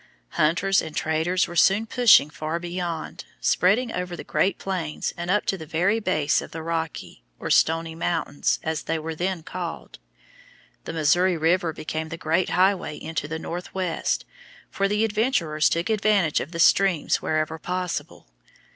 Hunters and traders were soon pushing far beyond, spreading over the Great Plains and up to the very base of the Rocky, or Stony Mountains, as they were then called. The Missouri River became the great highway into the Northwest, for the adventurers took advantage of the streams wherever possible.